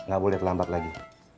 gak boleh terlambat lagi